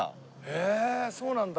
へえそうなんだ。